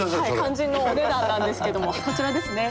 肝心のお値段なんですけどもこちらですね。